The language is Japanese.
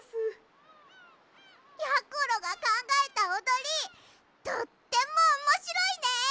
やころがかんがえたおどりとってもおもしろいね！